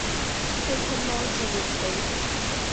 太空貓紀念碑